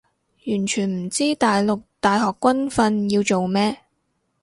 完全唔知大陸大學軍訓要做咩